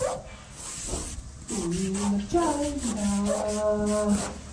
Salisbury has an Open Town Meeting form of government, with three Selectmen.